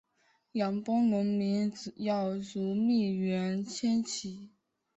养蜂农民要逐蜜源迁徙